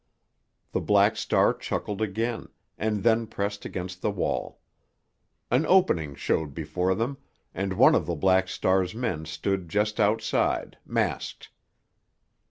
The Black Star chuckled again, and then pressed against the wall. An opening showed before them, and one of the Black Star's men stood just outside, masked.